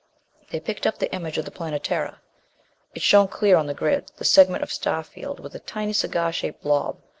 They picked up the image of the Planetara. It shone clear on the grid the segment of star field with a tiny cigar shaped blob.